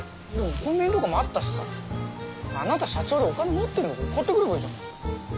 コンビニとかもあったしさあなた社長でお金持ってるんだから買ってくればいいじゃない。